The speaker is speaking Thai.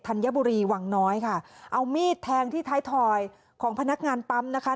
ัญบุรีวังน้อยค่ะเอามีดแทงที่ท้ายถอยของพนักงานปั๊มนะคะ